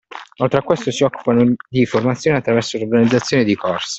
Oltre a questo si occupano di formazione attraverso l’organizzazione di corsi.